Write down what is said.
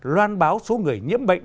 loan báo số người nhiễm bệnh